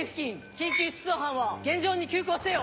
緊急出動班は現場に急行せよ！